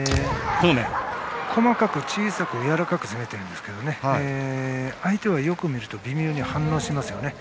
細かく、小さく、やわらかく攻めているんですが相手をよく見ると微妙に反応していますよね。